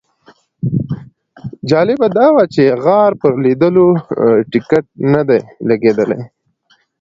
جالبه دا وه چې د غار پر لیدلو ټیکټ نه دی لګېدلی.